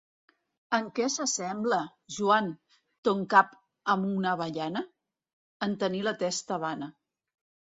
En què s'assembla, Joan, ton cap a una avellana? —En tenir la testa vana.